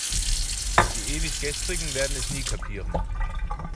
Die Ewiggestrigen werden es nie kapieren.